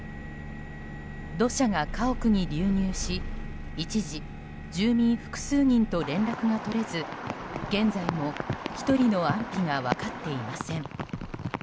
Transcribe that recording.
土砂が家屋に流入し一時、住民複数人と連絡が取れず、現在も１人の安否が分かっていません。